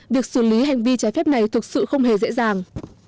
việc xử lý hành vi trái phép này thực sự không hề dễ dàng